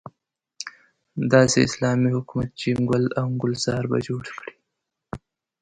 داسې اسلامي حکومت چې ګل او ګلزار به جوړ کړي.